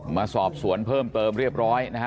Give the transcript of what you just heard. มาสอบสวนเพิ่มเติมเรียบร้อยนะฮะ